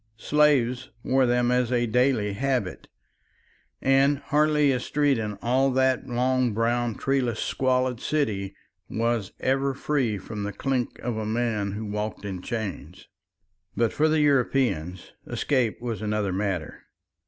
Slaves wore them as a daily habit, and hardly a street in all that long brown treeless squalid city was ever free from the clink of a man who walked in chains. But for the European escape was another matter.